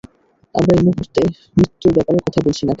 আমরা এই মুহুর্তে মৃত্যুর ব্যাপারে কথা বলছি না, ক্যাপ্টেন।